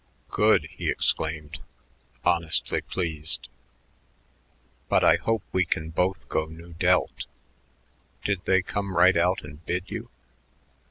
"Good!" he exclaimed, honestly pleased. "But I hope we can both go Nu Delt. Did they come right out and bid you?"